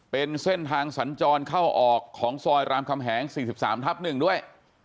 เป็นเส้นทางสัญจรเข้าออกของซอยรามคำแหง๔๓ทับ๑ด้วย